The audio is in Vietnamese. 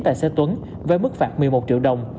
tài xế tuấn với mức phạt một mươi một triệu đồng